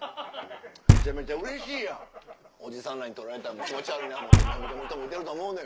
めちゃめちゃうれしいやんおじさんらに撮られたら気持ち悪いな思ってるタレントの人もいてると思うのよ。